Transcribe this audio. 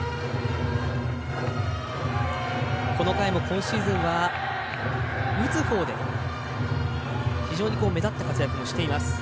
今シーズンは打つほうで非常に目立った活躍をしています。